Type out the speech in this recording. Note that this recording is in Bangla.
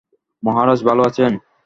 মহারাজ ভালো আছেন।